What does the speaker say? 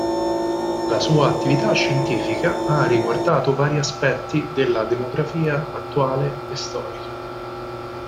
La sua attività scientifica ha riguardato vari aspetti della demografia attuale e storica.